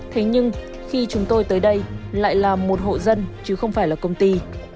thế nhưng khi chúng tôi tới đây lại là một hộ dân chứ không phải là công ty